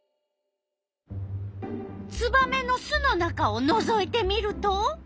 ツバメの巣の中をのぞいてみると。